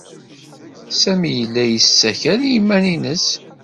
Sami yella yessakal i yiman-nnes.